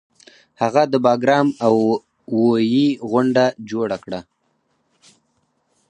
هغه د باګرام اوویی غونډه جوړه کړه